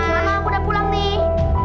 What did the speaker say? mama aku udah pulang nih